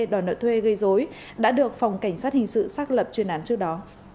đòi nợ thuê gây dối đã được phòng cảnh sát hình sự xác lập chuyên án trước đó